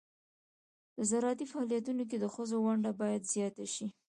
د زراعتي فعالیتونو کې د ښځو ونډه باید زیاته شي.